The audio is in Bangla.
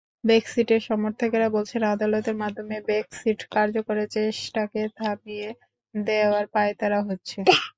ব্রেক্সিটের সমর্থকেরা বলছেন, আদালতের মাধ্যমে ব্রেক্সিট কার্যকরের চেষ্টাকে থামিয়ে দেওয়ার পাঁয়তারা হচ্ছে।